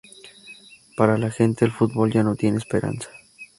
Para la gente, el fútbol ya no tiene esperanza.